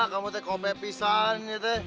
kamu teh kompek pisang ya teh